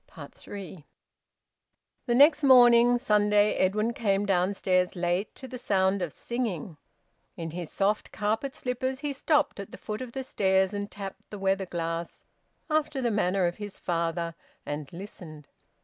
THREE. The next morning, Sunday, Edwin came downstairs late, to the sound of singing. In his soft carpet slippers he stopped at the foot of the stairs and tapped the weather glass, after the manner of his father; and listened.